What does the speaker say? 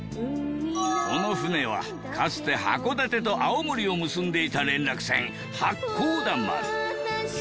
この船はかつて函館と青森を結んでいた連絡船八甲田丸。